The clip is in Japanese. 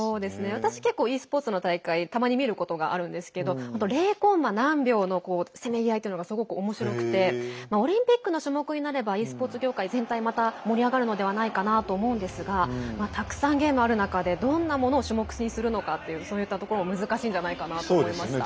私、結構ｅスポーツの大会たまに見ることがあるんですけど０コンマ何秒のせめぎ合いというのがすごくおもしろくてオリンピックの種目になればｅスポーツ業界全体また盛り上がるのではないかなと思うんですがたくさんゲームある中でどんなものを種目にするのかっていうそういったところ難しいんじゃないかなと思いました。